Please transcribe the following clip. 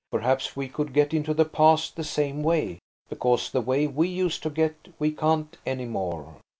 Perhaps we could get into the past the same way, because the way we used to get we can't any more.